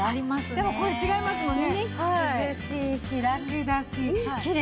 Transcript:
でもこれ違いますもんね。